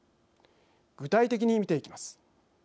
具体的に見ていきます。